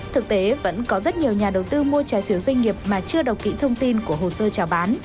thực tế vẫn có rất nhiều nhà đầu tư mua trái phiếu doanh nghiệp mà chưa đọc kỹ thông tin của hồ sơ trả bán